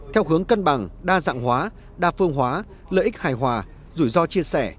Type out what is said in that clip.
theo hướng cân bằng đa dạng hóa đa phương hóa lợi ích hài hòa rủi ro chia sẻ